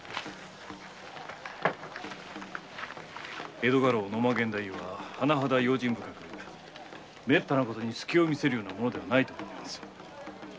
江戸家老・野間源太夫は用心深くめったなことにすきを見せるような者ではないと思われます。